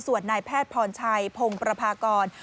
ส่วนนายแพทย์พรชัยพงประพากร